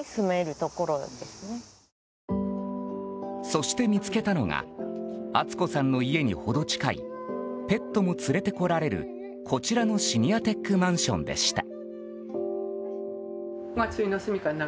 そして見つけたのが敦子さんの家に程近いペットも連れてこられるこちらのシニアテックマンションでした。